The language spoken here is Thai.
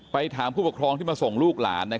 ถามผู้ปกครองที่มาส่งลูกหลาน